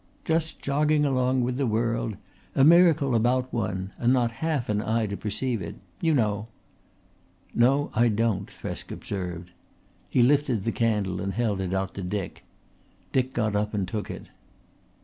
"Just jogging along with the world, a miracle about one and not half an eye to perceive it. You know." "No, I don't," Thresk observed. He lifted the candle and held it out to Dick. Dick got up and took it.